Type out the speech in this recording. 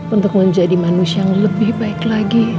untuk menjadi manusia yang lebih baik lagi